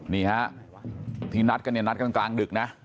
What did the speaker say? นี่ฮะที่นัดกันเนี่ยนัดกันกลางดึกนะ